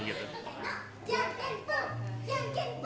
jangan pukul jangan pukul